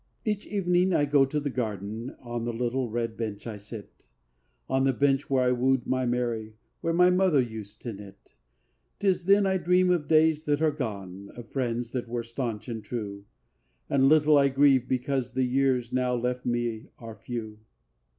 Each evening I go to the garden, On the little red bench I sit, On the bench were I wooed my Mary Where mother used to knit. 'Tis then I dream of days that are gone Of friends that were staunch and true And little I grieve because the years Now left to me are few.